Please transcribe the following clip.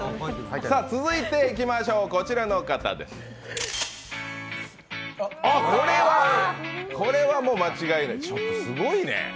続いていきましょう、こちらの方です、これはもう間違いないでしょう。